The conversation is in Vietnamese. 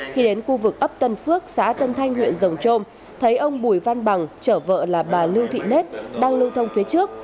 khi đến khu vực ấp tân phước xã tân thanh huyện rồng trôm thấy ông bùi văn bằng chở vợ là bà lưu thị nết đang lưu thông phía trước